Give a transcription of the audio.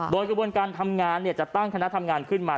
โดยกระบวนการทำงานจะตั้งคณะทำงานขึ้นมา